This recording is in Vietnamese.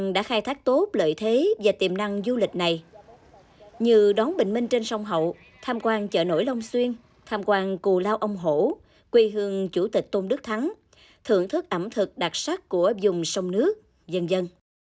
điểm năng du lịch này như đón bình minh trên sông hậu tham quan chợ nổi long xuyên tham quan cù lao ông hổ quy hương chủ tịch tôn đức thắng thưởng thức ẩm thực đặc sắc của dùng sông nước dân dân